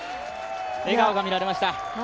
笑顔が見られました。